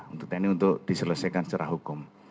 untuk tni untuk diselesaikan secara hukum